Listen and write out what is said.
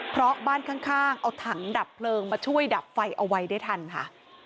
เพราะบ้านข้างเอาถังดับเพลิงมาช่วยดับไฟเอาไว้ได้ทันค่ะ